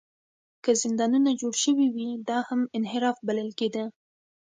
که زندانونه جوړ شوي وي، دا هم انحراف بلل کېده.